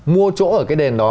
mua chỗ ở cái đền đó